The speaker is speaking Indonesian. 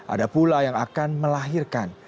ada pula yang akan melahirkan